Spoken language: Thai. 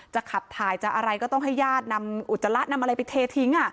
ขับถ่ายจะอะไรก็ต้องให้ญาตินำอุจจาระนำอะไรไปเททิ้ง